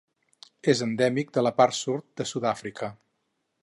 És endèmic de la part sud de Sud-Àfrica.